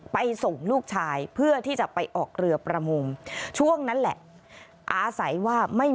ไปส่งลูกชายเพื่อที่จะไปออกเรือประมูมช่วงนั้นแหละ